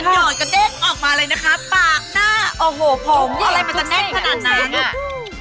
หอดกระเด้งออกมาเลยนะคะปากหน้าโอ้โหผมอะไรมันจะแน่นขนาดนั้นอ่ะ